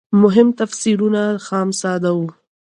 فهم تفسیرونه خام ساده وو.